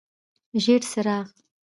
ژیړ څراغ: